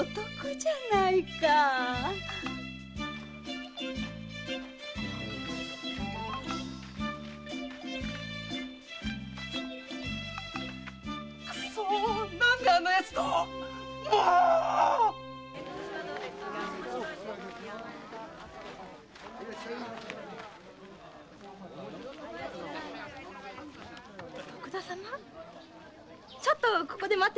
ちょっとここで待っててね。